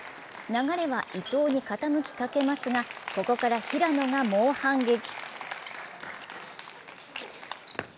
流れは伊藤に傾きかけますが、ここから平野が猛反撃。